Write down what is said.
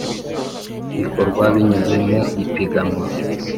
bikorwa binyuze mu ipiganwa